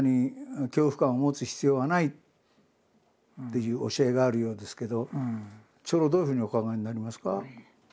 いう教えがあるようですけど長老はどういうふうにお考えになりますか？